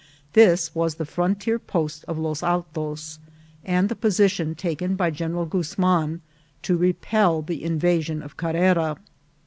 This was the frontier post of Los Altos, and the posi tion taken by General Guzman to repel the invasion of Carrera.